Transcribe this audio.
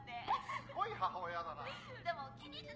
すごい母親だな。